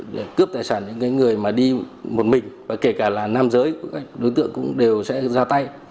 để cướp tài sản những người mà đi một mình và kể cả là nam giới đối tượng cũng đều sẽ ra tay